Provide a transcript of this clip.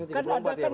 kan ada kan